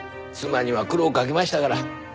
妻には苦労かけましたから。